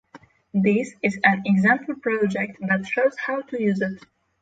This is an example project that shows how to use it